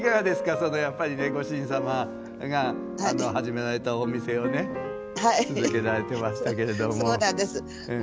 そのやっぱりねご主人様が始められたお店をね続けられてましたけれども。